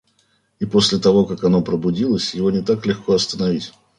И после того как оно пробудилось, его не так легко остановить.